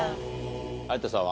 有田さんは？